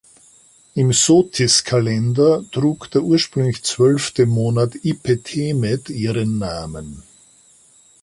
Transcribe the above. Im Sothis-Kalender trug der ursprünglich zwölfte Monat Ipet-hemet ihren Namen.